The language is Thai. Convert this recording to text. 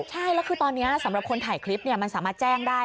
ใช่แล้วคือตอนนี้สำหรับคนถ่ายคลิปมันสามารถแจ้งได้